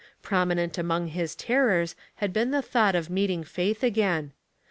Prominent among his terrors had been the thought of meeting Faith ag.'iin.